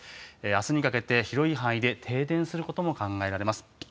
あすにかけて、広い範囲で停電することも考えられます。